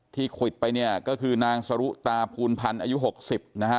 ควิดไปเนี่ยก็คือนางสรุตาภูลพันธ์อายุ๖๐นะฮะ